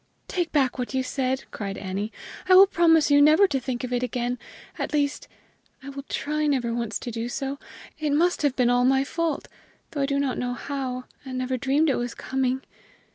"Take back what you said!" cried Annie; "I will promise you never to think of it again at least, I will try never once to do so. It must have been all my fault though I do not know how, and never dreamed it was coming.